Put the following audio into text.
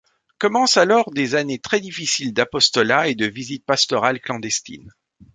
Commencent alors des années très difficiles d’apostolat et de visites pastorales clandestines.